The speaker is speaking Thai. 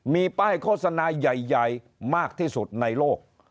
มีป้ายโฆษณาใหญ่มากที่สุดในโลก